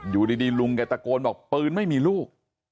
อยู่ดีลุงแกตะโกนบอกปืนไม่มีลูก